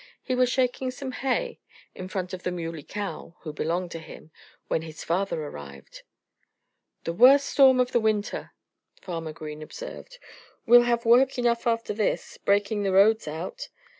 He was shaking some hay; in front of the Muley Cow (who belonged to him) when his father arrived. "The worst storm of the winter!" Farmer Green observed. "We'll have work enough after this, breaking the roads out."